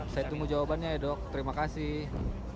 saya tunggu jawabannya ya dok terima kasih